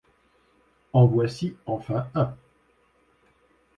En voici enfin un.